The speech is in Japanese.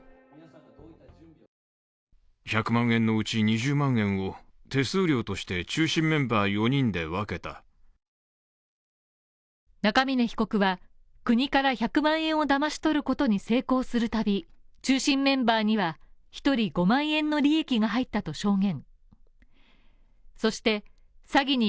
その１００万円について中峯被告は国から１００万円をだまし取ることに成功するたび中心メンバーには１人５万円の利益が入ったと証言。